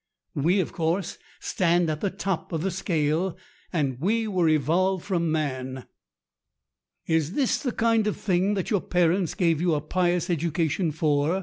We, of course, stand at the top of the scale, and we were evolved from man." "Is this the kind of thing that your parents gave you a pious education for?"